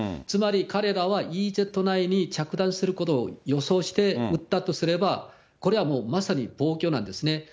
つまり彼らは、ＥＥＺ内に着弾することを予想して撃ったとすれば、これはもう、まさに暴挙なんですね。